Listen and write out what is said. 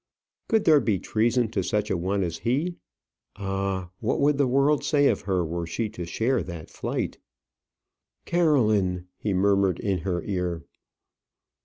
Could there be treason to such a one as he? Ah! what would the world say of her were she to share that flight? "Caroline," he murmured in her ear.